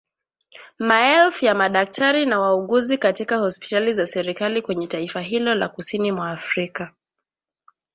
Maelfu ya madaktari na wauguzi katika hospitali za serikali kwenye taifa hilo la kusini mwa Afrika